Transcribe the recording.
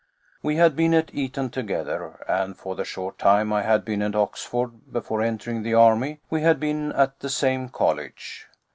We had been at Eton together, and for the short time I had been at Oxford before entering the Army we had been at the same college.